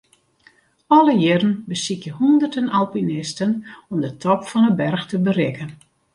Alle jierren besykje hûnderten alpinisten om de top fan 'e berch te berikken.